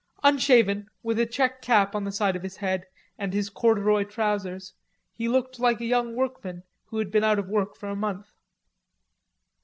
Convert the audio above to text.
Unshaven, with a check cap on the side of his head and his corduroy trousers, he looked like a young workman who had been out of work for a month.